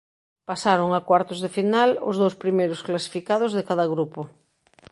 Pasaron a cuartos de final os dous primeiros clasificados de cada grupo.